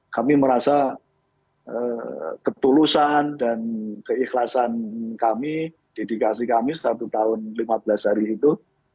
kami merasa ketulusan dan keikhlasan kami dedikasi kami satu tahun lima belas hari itu